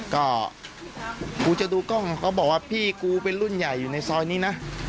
ก็กูจะดูกล้องเขาบอกว่าพี่กูเป็นรุ่นใหญ่อยู่ในซอยนี้นะ